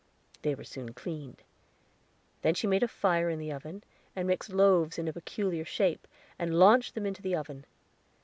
They were soon cleaned. Then she made a fire in the oven, and mixed loaves in a peculiar shape, and launched them into the oven.